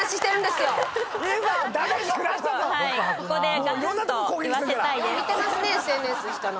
よう見てますねＳＮＳ。